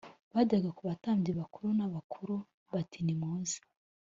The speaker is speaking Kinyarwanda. bajya ku batambyi bakuru n’abakuru bati nimuze